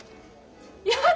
やだ